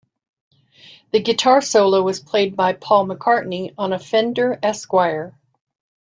The guitar solo was played by Paul McCartney on a Fender Esquire.